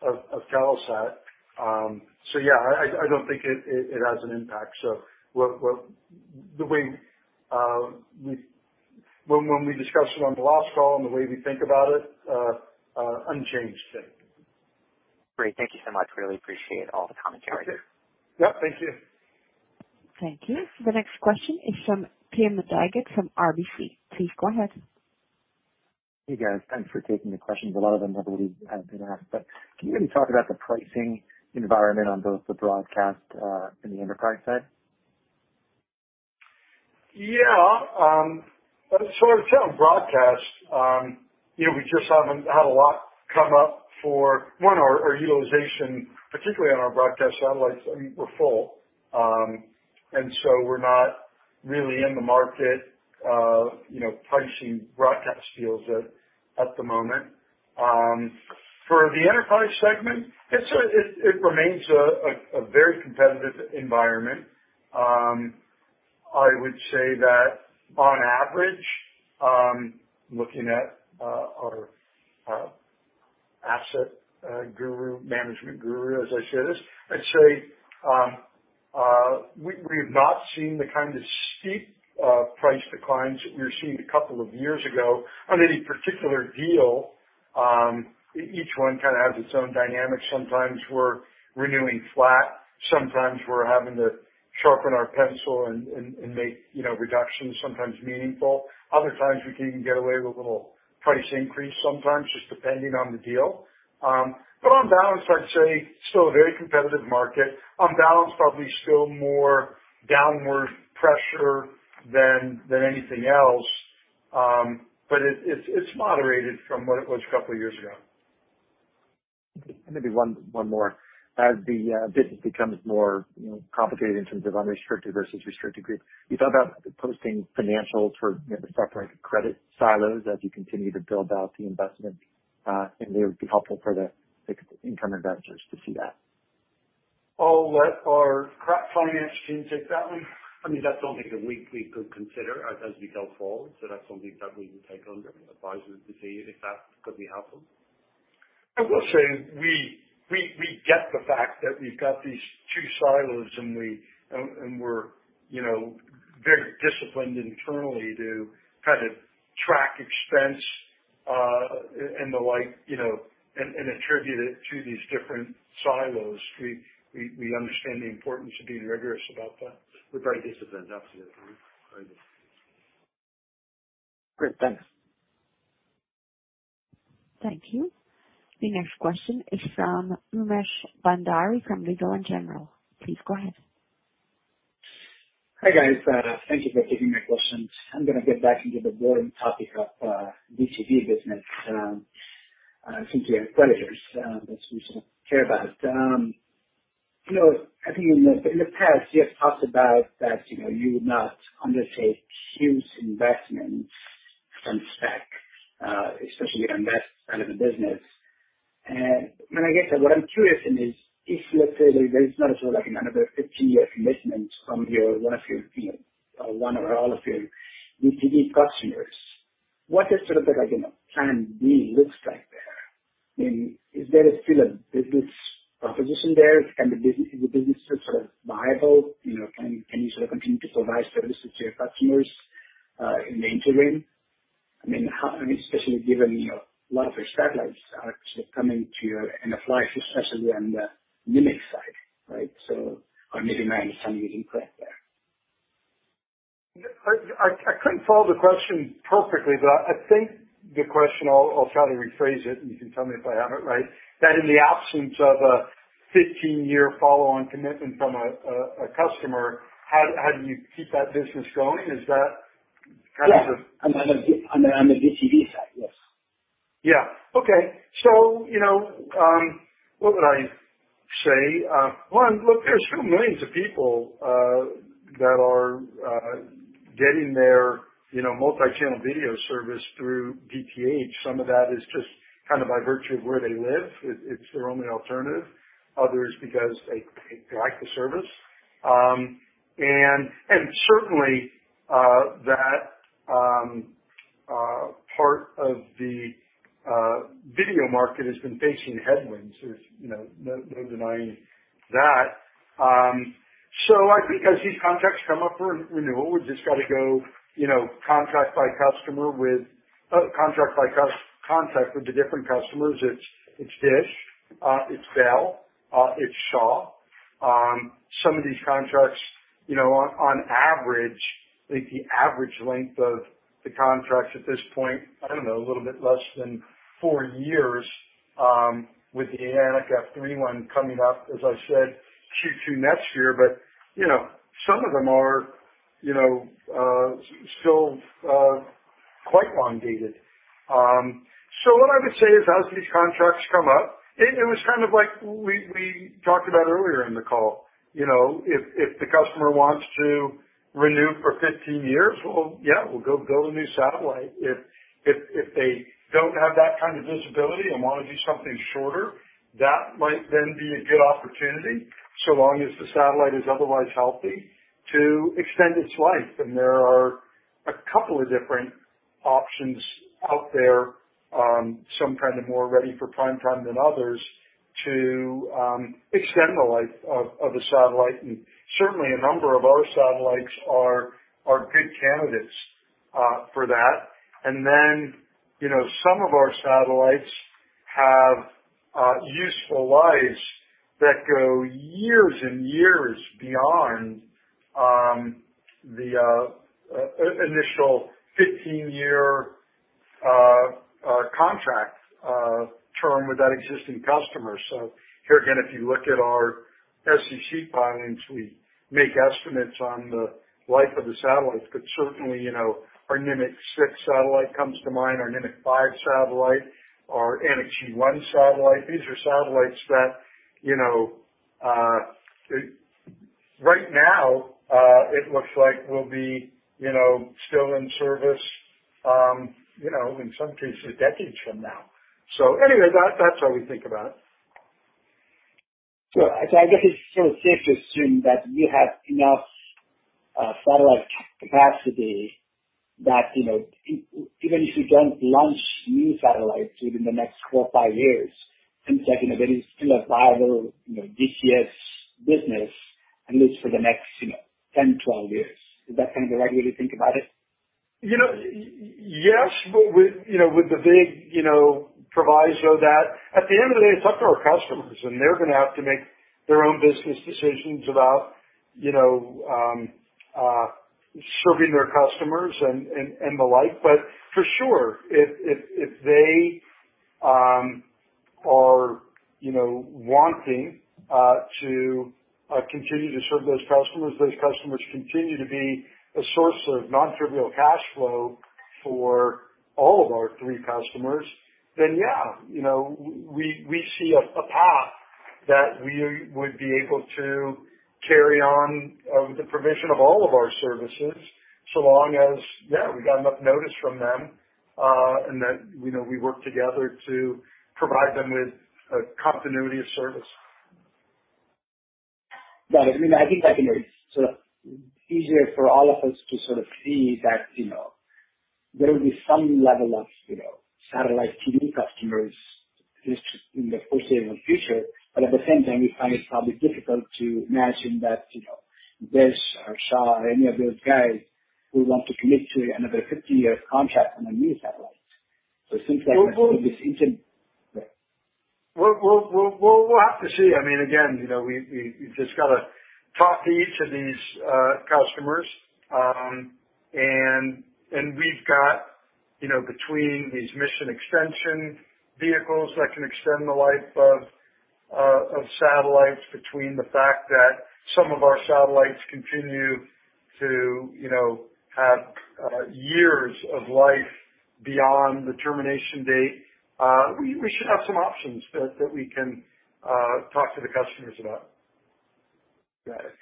of Telesat. Yeah, I don't think it has an impact. When we discussed it on the last call and the way we think about it remains unchanged today. Great. Thank you so much. Really appreciate all the commentary. Okay. Yep. Thank you. Thank you. The next question is from Pierre Noriega from RBC. Please go ahead. Hey, guys. Thanks for taking the questions. A lot of them have already been asked, but can you maybe talk about the pricing environment on both the broadcast, and the enterprise side? Yeah. In terms of broadcast, we just haven't had a lot come up for, one, our utilization, particularly on our broadcast satellites. I mean, we're full. We're not really in the market pricing broadcast deals at the moment. For the enterprise segment, it remains a very competitive environment. I would say that on average, looking at our asset management guru, as I say this, I'd say, we've not seen the kind of steep price declines that we were seeing a couple of years ago on any particular deal. Each one kind of has its own dynamics. Sometimes we're renewing flat, sometimes we're having to sharpen our pencil and make reductions, sometimes meaningful. Other times, we can even get away with a little price increase sometimes, just depending on the deal. On balance, I'd say still a very competitive market. On balance, probably still more downward pressure than anything else. It's moderated from what it was a couple of years ago. Maybe one more. As the business becomes more complicated in terms of unrestricted versus restricted group, you thought about posting financials for the separate credit silos as you continue to build out the investment, and it would be helpful for the income investors to see that? I'll let our finance team take that one. I mean, that's something that we could consider as we go forward. That's something that we would take under advisement to see if that could be helpful. I will say, we get the fact that we've got these two silos, and we're very disciplined internally to track expense, and the like, and attribute it to these different silos. We understand the importance of being rigorous about that. We're very disciplined. Absolutely. Great. Thanks. Thank you. The next question is from Umesh Bhandary from Legal & General. Please go ahead. Hi, guys. Thank you for taking my questions. I'm going to get back into the boring topic of DTH business, since we are creditors, that's we sort of care about. I think in the past, you have talked about that you would not undertake huge investments from CapEx, especially invest relevant business. When I get to what I'm curious in is, if let's say there is not as well, like another 15-year commitment from one or all of your DTH customers. What does sort of like plan B looks like there? I mean, is there still a business proposition there? Is the business still sort of viable? Can you sort of continue to provide services to your customers, in the interim? I mean, especially given a lot of your satellites are sort of coming to end of life, especially on the Nimiq side, right? Or maybe you have some input there. I couldn't follow the question perfectly, but I think the question, I'll try to rephrase it, and you can tell me if I have it right. That in the absence of a 15-year follow-on commitment from a customer, how do you keep that business going? Is that kind of the? Yeah. On the DIRECTV side. Yes. Yeah. Okay. What would I say? One, look, there's a few millions of people that are getting their multi-channel video service through DTH. Some of that is just by virtue of where they live, it's their only alternative. Others because they like the service. Certainly, that part of the video market has been facing headwinds. There's no denying that. I think as these contracts come up for renewal, we've just got to go contract by contract with the different customers. It's DISH, it's Bell, it's Shaw. Some of these contracts, on average, I think the average length of the contracts at this point, I don't know, a little bit less than four years, with the Anik F3 one coming up, as I said, Q2 next year. Some of them are still quite long-dated. What I would say is, as these contracts come up, it was like we talked about earlier in the call. If the customer wants to renew for 15 years, well, yeah, we'll go build a new satellite. If they don't have that kind of visibility and want to do something shorter, that might then be a good opportunity, so long as the satellite is otherwise healthy, to extend its life. There are a couple of different options out there, some more ready for prime time than others, to extend the life of a satellite. Certainly a number of our satellites are good candidates for that. Then some of our satellites have useful lives that go years and years beyond the initial 15-year contract term with that existing customer. Here again, if you look at our SEC filings, we make estimates on the life of the satellites. Certainly, our Nimiq 6 satellite comes to mind, our Nimiq 5 satellite, our Anik G1 satellite. These are satellites that, right now, it looks like will be still in service, in some cases, decades from now. Anyway, that's how we think about it. I guess it's sort of safe to assume that you have enough satellite capacity that even if you don't launch new satellites within the next four or five years, it seems like there is still a viable DTH business, at least for the next 10, 12 years. Is that kind of the right way to think about it? Yes, with the big proviso that at the end of the day, it's up to our customers, and they're going to have to make their own business decisions about serving their customers and the like. For sure, if they are wanting to continue to serve those customers, those customers continue to be a source of non-trivial cash flow for all of our three customers, then yeah. We see a path that we would be able to carry on the provision of all of our services, so long as, yeah, we got enough notice from them, and that we work together to provide them with a continuity of service. Got it. I think that it's sort of easier for all of us to sort of see that there will be some level of satellite TV customers, at least in the foreseeable future. At the same time, we find it probably difficult to imagine that DISH or Shaw or any of those guys will want to commit to another 15-year contract on a new satellite. It seems like. We'll have to see. Again, we've just got to talk to each of these customers. We've got, between these Mission Extension Vehicles that can extend the life of satellites, between the fact that some of our satellites continue to have years of life beyond the termination date, we should have some options that we can talk to the customers about. Got it.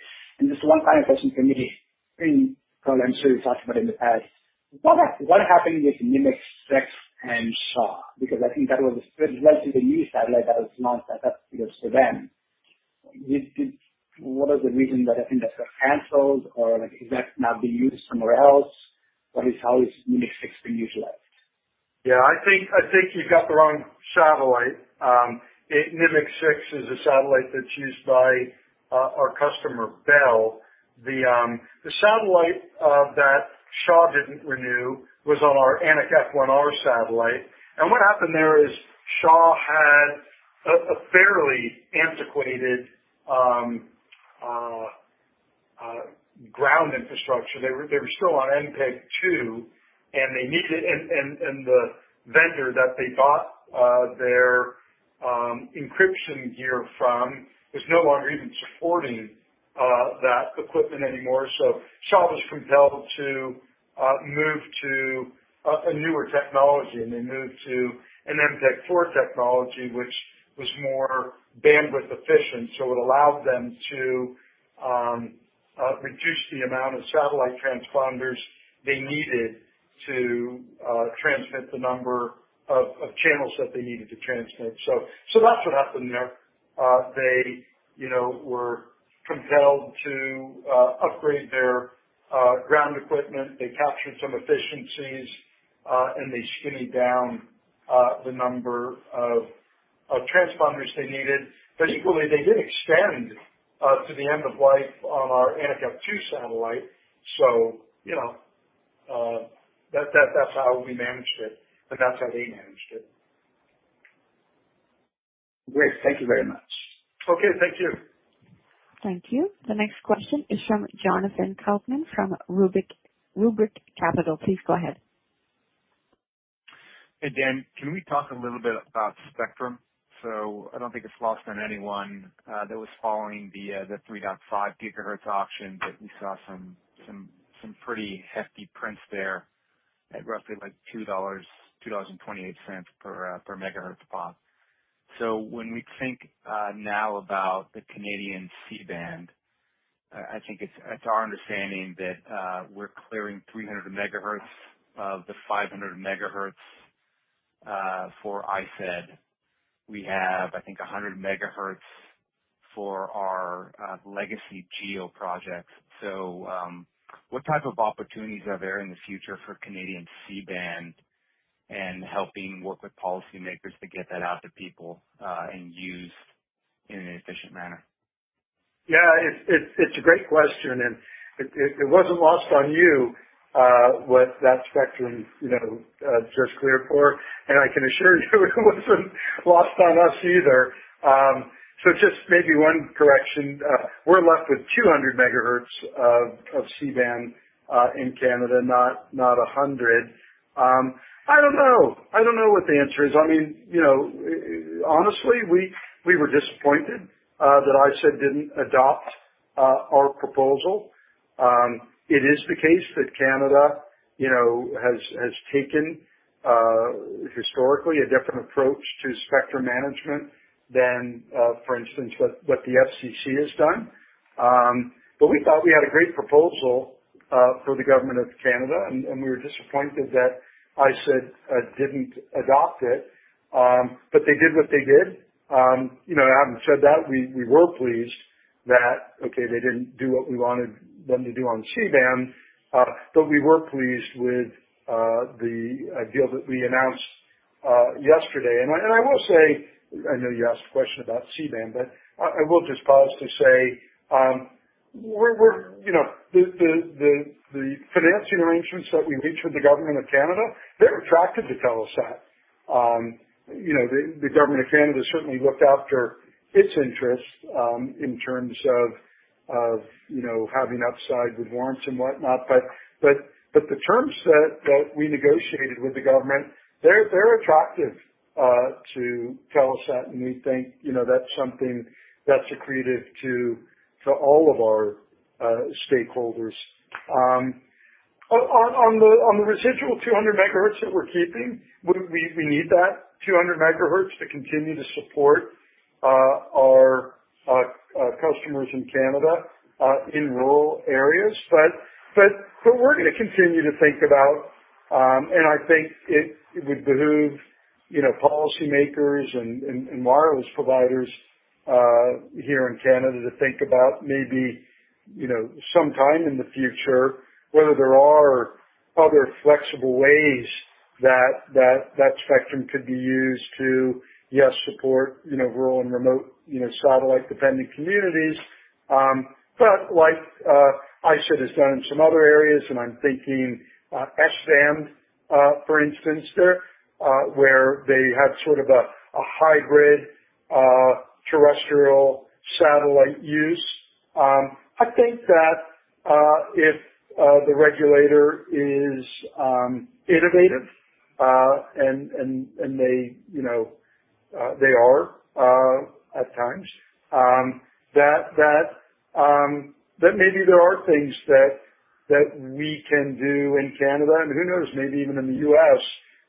Just one final question from me. I'm sure you've talked about in the past. What happened with Nimiq 6 and Shaw? I think that was the last of the new satellite that was launched that was for them. What are the reasons that I think that got canceled? Is that now being used somewhere else? How is Nimiq 6 being utilized? I think you've got the wrong satellite. Nimiq 6 is a satellite that's used by our customer, Bell. The satellite that Shaw didn't renew was on our Anik F1R satellite. What happened there is Shaw had a fairly antiquated ground infrastructure. They were still on MPEG-2, and the vendor that they bought their encryption gear from is no longer even supporting that equipment anymore. Was compelled to move to a newer technology, and they moved to an MPEG-4 technology, which was more bandwidth efficient. It allowed them to reduce the amount of satellite transponders they needed to transmit the number of channels that they needed to transmit. That's what happened there. They were compelled to upgrade their ground equipment. They captured some efficiencies, and they skinnied down the number of transponders they needed. Equally, they did extend to the end of life on our Anik F2 satellite. That's how we managed it, and that's how they managed it. Great. Thank you very much. Okay. Thank you. Thank you. The next question is from Jonathan Kaufman from Rubric Capital. Please go ahead. Hey, Dan, can we talk a little bit about spectrum? I don't think it's lost on anyone that was following the 3.5 GHz auction, but we saw some pretty hefty prints there at roughly 2.28 dollars per MHz-POP. When we think now about the Canadian C-band, I think it's our understanding that we're clearing 300 MHz of the 500 MHz for ISED. We have, I think, 100 MHz for our legacy GEO projects. What type of opportunities are there in the future for Canadian C-band and helping work with policymakers to get that out to people, and used in an efficient manner? Yeah, it's a great question, and it wasn't lost on you, what that spectrum just cleared for, and I can assure you it wasn't lost on us either. Just maybe one correction. We're left with 200 MHz of C-band, in Canada, not 100. I don't know. I don't know what the answer is. Honestly, we were disappointed that ISED didn't adopt our proposal. It is the case that Canada has historically taken a different approach to spectrum management than, for instance, what the FCC has done. We thought we had a great proposal for the Government of Canada, and we were disappointed that ISED didn't adopt it. They did what they did. Having said that, we were pleased that, okay, they didn't do what we wanted them to do on C-band, but we were pleased with the deal that we announced yesterday. I will say, I know you asked a question about C-band, but I will just pause to say, the financing arrangements that we reached with the government of Canada, they're attractive to Telesat. The government of Canada certainly looked after its interests, in terms of having upside with warrants and whatnot. The terms that we negotiated with the government, they're attractive to Telesat, and we think that's something that's accretive to all of our stakeholders. On the residual 200 MHz that we're keeping, we need that 200 MHz to continue to support our customers in Canada, in rural areas. We're going to continue to think about, and I think it would behoove policymakers and wireless providers here in Canada to think about maybe, sometime in the future, whether there are other flexible ways that that spectrum could be used to, yes, support rural and remote satellite-dependent communities. Like ISED has done in some other areas, and I'm thinking S-band, for instance, where they have sort of a hybrid terrestrial satellite use. I think that, if the regulator is innovative, and they are at times, that maybe there are things that we can do in Canada, and who knows, maybe even in the U.S.,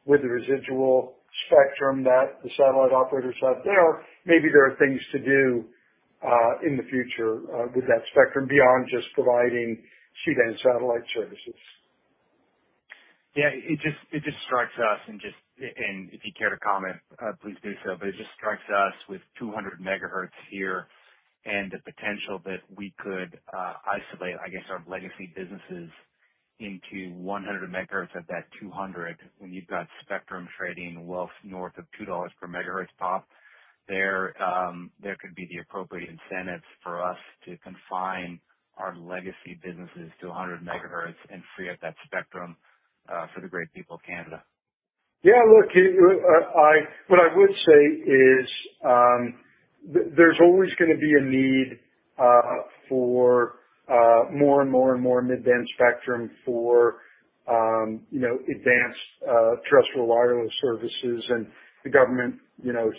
with the residual spectrum that the satellite operators have there. Maybe there are things to do in the future, with that spectrum beyond just providing C-band satellite services. It just strikes us, and if you care to comment, please do so. It just strikes us with 200 MHz here and the potential that we could isolate, I guess, our legacy businesses into 100 MHz of that 200. When you've got spectrum trading well north of 2 dollars per MHz-POP, there could be the appropriate incentives for us to confine our legacy businesses to 100 MHz and free up that spectrum for the great people of Canada. Yeah. Looking at what I would say is, there's always going to be a need for more and more mid-band spectrum for advanced terrestrial wireless services, and the government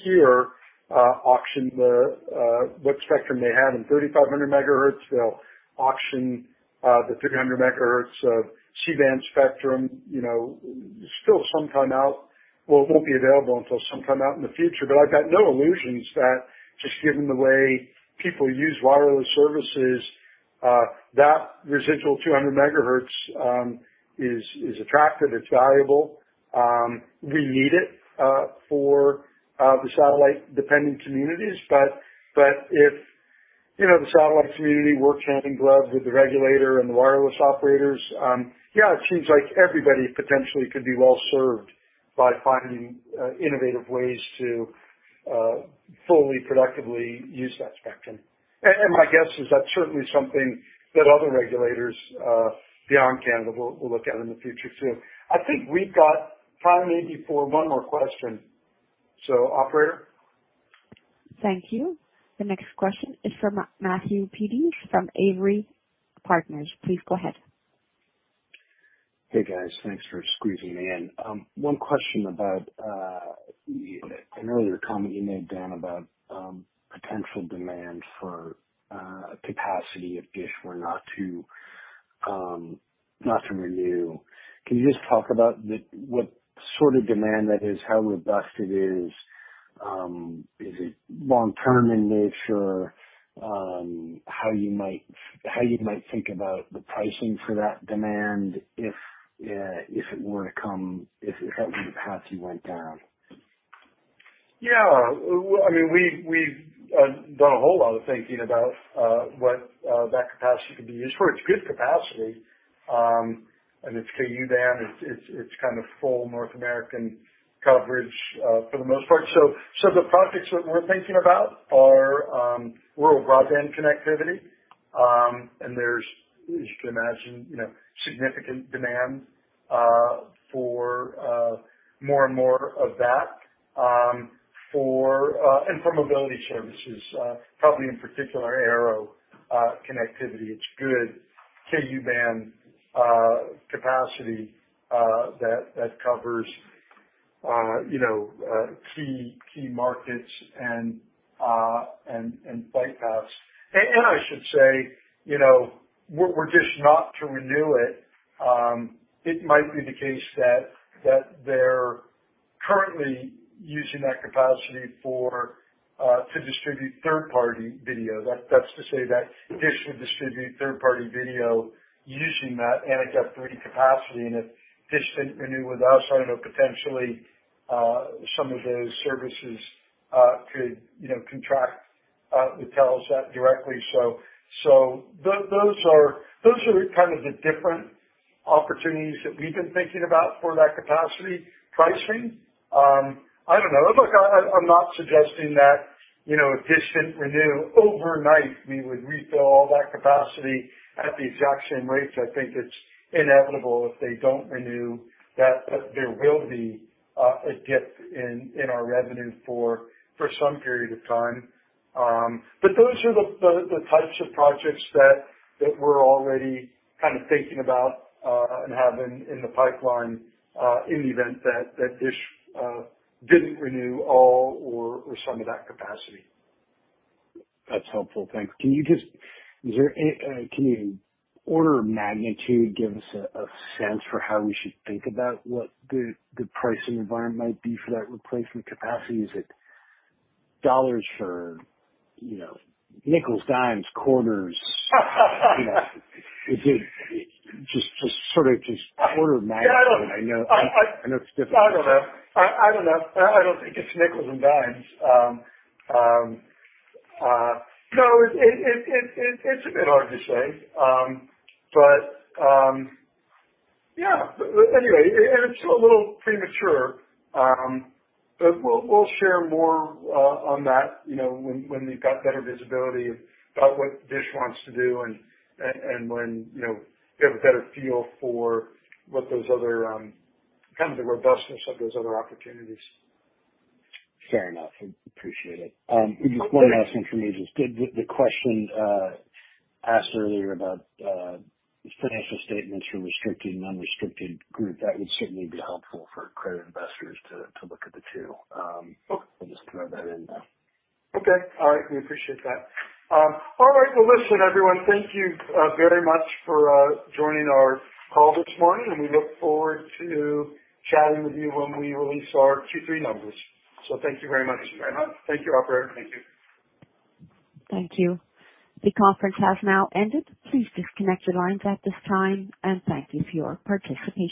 here auctioned what spectrum they have in 3,500 MHz. They'll auction the 300 MHz of C-band spectrum. It won't be available until sometime out in the future. I've got no illusions that, just given the way people use wireless services, that residual 200 MHz is attractive, it's valuable. We need it for the satellite-dependent communities. If the satellite community works hand in glove with the regulator and the wireless operators, it seems like everybody potentially could be well served by finding innovative ways to fully productively use that spectrum. My guess is that's certainly something that other regulators beyond Canada will look at in the future, too. I think we've got time, maybe for one more question. Operator. Thank you. The next question is from Matthew Feedings from Avery Partners. Please go ahead. Hey, guys. Thanks for squeezing me in. One question about an earlier comment you made, Dan, about potential demand for capacity if DISH were not to renew. Can you just talk about what sort of demand that is, how robust it is? Is it long-term in nature? How you might think about the pricing for that demand if that were the path you went down. Yeah. We've done a whole lot of thinking about what that capacity could be used for. It's good capacity. It's Ku-band, it's full North American coverage for the most part. The projects that we're thinking about are rural broadband connectivity. There's, as you can imagine, significant demand for more and more of that, and for mobility services. Probably in particular, aero connectivity. It's good Ku-band capacity that covers key markets and flight paths. I should say, were DISH not to renew it might be the case that they're currently using that capacity to distribute third-party video. That's to say that DISH would distribute third-party video using that Anik F3 capacity, and if DISH didn't renew with us, I know potentially some of those services could contract with Telesat directly. Those are the different opportunities that we've been thinking about for that capacity pricing. I don't know. Look, I'm not suggesting that if DISH didn't renew, overnight, we would refill all that capacity at the exact same rates. I think it's inevitable if they don't renew, that there will be a dip in our revenue for some period of time. Those are the types of projects that we're already thinking about, and have in the pipeline, in the event that DISH didn't renew all or some of that capacity. That's helpful. Thanks. Can you order of magnitude give us a sense for how we should think about what the pricing environment might be for that replacement capacity? Is it dollars for nickels, dimes, quarters? Just order of magnitude. I know it's difficult. I don't know. I don't think it's nickels and dimes. It's a bit hard to say. Anyway, it's still a little premature. We'll share more on that when we've got better visibility about what DISH wants to do, and when we have a better feel for the robustness of those other opportunities. Fair enough. Appreciate it. Just one last one from me. Just the question asked earlier about financial statements for restricted, unrestricted group, that would certainly be helpful for credit investors to look at the two. Okay. I'll just throw that in there. Okay. All right. We appreciate that. All right. Listen, everyone, thank you very much for joining our call this morning, and we look forward to chatting with you when we release our Q3 numbers. Thank you very much. All right. Thank you, operator. Thank you. Thank you. The conference has now ended. Please disconnect your lines at this time, and thank you for your participation.